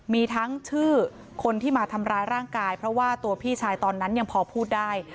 มีทั้งชื่อคนที่มาทำร้ายร่างกายเพราะว่าตัวพี่ชายตอนนั้นยังพอพูดได้